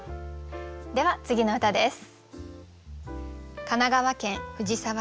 では次の歌です。